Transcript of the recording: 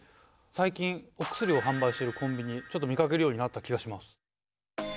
最近お薬を販売しているコンビニちょっと見かけるようになった気がします。